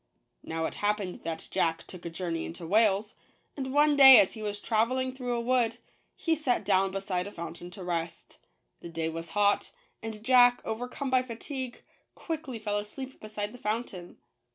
Now it happened that Jack took a journey into Wales; and one day, as he was traveling through a wood, he sat down beside a fountain to rest. The day was hot; and Jack, over come by fatigue, quickly fell asleep beside the fountain.